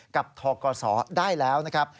กับทกศได้แล้วนะครับ